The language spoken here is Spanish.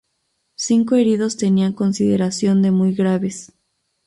Cinco heridos tenían consideración de muy graves.